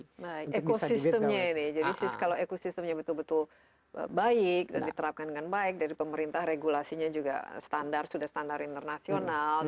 baik ekosistemnya ini jadi kalau ekosistemnya betul betul baik dan diterapkan dengan baik dari pemerintah regulasinya juga standar sudah standar internasional